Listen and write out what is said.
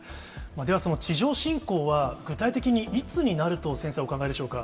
では、その地上侵攻は具体的にいつになると、先生はお考えでしょうか。